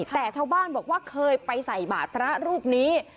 แต่ชาวบ้านบอกว่าเคยไปใส่บาทพระรูปนี้